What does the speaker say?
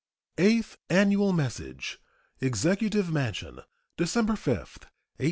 EIGHTH ANNUAL MESSAGE. EXECUTIVE MANSION, December 5, 1876.